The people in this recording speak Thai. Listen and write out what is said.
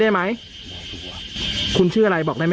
เหมือนกับใคร